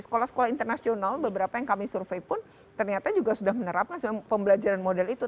sekolah sekolah internasional beberapa yang kami survei pun ternyata juga sudah menerapkan pembelajaran model itu